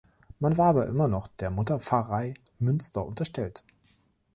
Man war aber immer noch der Mutterpfarrei Münster unterstellt.